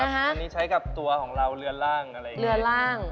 วันนี้ใช้กับตัวของเราเรือนล่างอะไรอย่างนี้